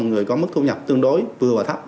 người có mức thu nhập tương đối vừa và thấp